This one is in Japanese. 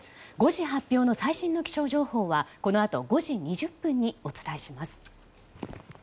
５時発表の最新の気象情報はこのあと５時２０分にお伝えします。